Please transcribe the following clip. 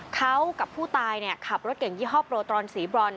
เขากับผู้ตายขับรถเก่งยี่ห้อโปรตรอนสีบรอน